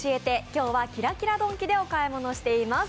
今日はキラキラドンキでお買い物しています。